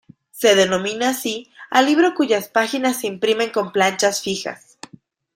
Se denomina así al libro cuyas páginas se imprimen con planchas fijas.